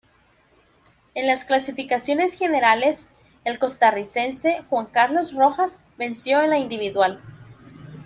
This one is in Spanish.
En las clasificaciones generales, el costarricense Juan Carlos Rojas venció en la individual.